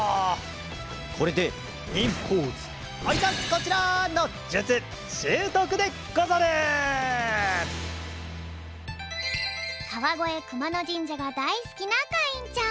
これでかわごえくまのじんじゃがだいすきなかいんちゃん。